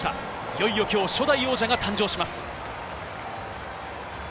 いよいよ今日、初代王者が誕生します。